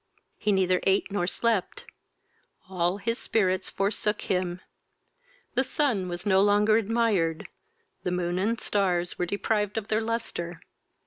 He neither ate not slept; all his spirits forsook him: the sun was no longer admired, the moon and stars were deprived of their lustre.